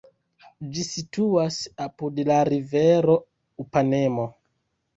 Ĝi situas apud la rivero Upanemo.